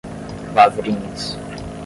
Lavrinhas